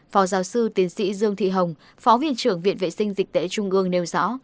phó giáo sư tiến sĩ dương thị hồng phó viện trưởng viện vệ sinh dịch tễ trung ương nêu rõ